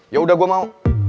ya udah gue mau